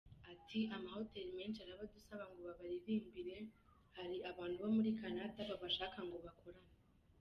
Ati “Amahoteri menshi arabadusaba ngo babaririmbire, hari abantu bari muri Canada babashaka ngo bakorane.